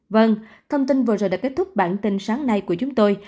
vâng thông tin vừa rồi đã kết thúc bản tin sáng nay của chúng tôi